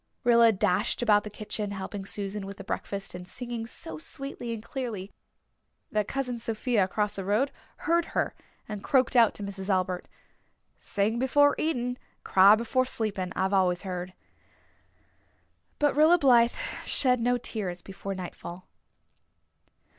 Rilla dashed about the kitchen helping Susan with the breakfast and singing so sweetly and clearly that Cousin Sophia across the road heard her and croaked out to Mrs. Albert, "'Sing before eating, cry before sleeping,' I've always heard." But Rilla Blythe shed no tears before the nightfall.